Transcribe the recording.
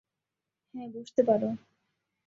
হ্যাঁ, বসতে পার।